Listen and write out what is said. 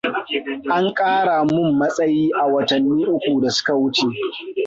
An kara mun matsayi a watanni uku da suka wuce.